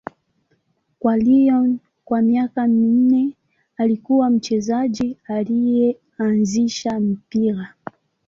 Kwa Lyon kwa miaka minne, alikuwa mchezaji aliyeanzisha mpira.